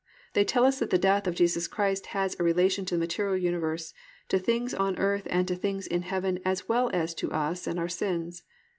They tell us that the death of Jesus Christ has a relation to the material universe, to things on earth and to things in heaven, as well as to us and our sins.